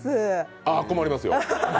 あ、困りますよ。